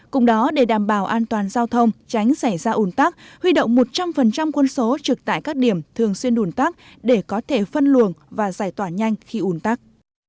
các điểm thường xuyên ủn tắc để có thể phân luồng và giải tỏa nhanh khi ủn tắc